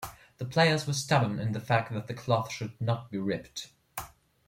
The players were stubborn in the fact that the cloth should not be ripped.